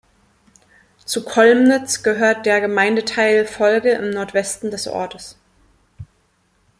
Zu Colmnitz gehört der Gemeindeteil Folge im Nordwesten des Orts.